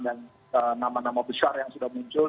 dan nama nama besar yang sudah muncul